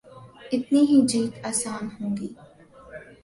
اتنی ہی جیت آسان ہو گی۔